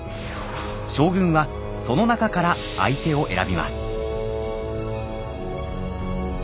将軍はその中から相手を選びます。